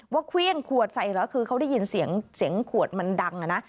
ว่าเควียงขวดใส่เหรอคือเขาได้ยินเสียงขวดมันดัง